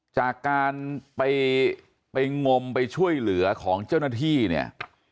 จากการไปงมไปช่วยเหลือของเจ้าหน้าที่เนี่ย